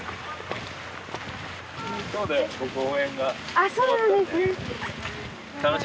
あっそうなんですね